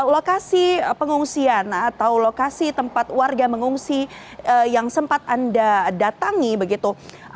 lokasi pengungsian atau lokasi tempat warga mengungsi yang sempat anda datangi begitu